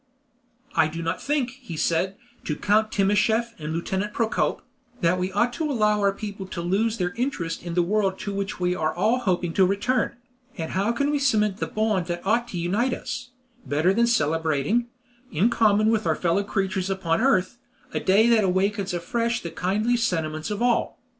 "I do not think," he said to Count Timascheff and Lieutenant Procope, "that we ought to allow our people to lose their interest in the world to which we are all hoping to return; and how can we cement the bond that ought to unite us, better than by celebrating, in common with our fellow creatures upon earth, a day that awakens afresh the kindliest sentiments of all?